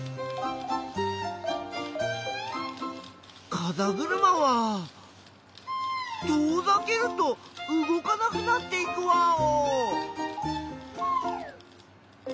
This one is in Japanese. かざぐるまは遠ざけると動かなくなっていくワオ！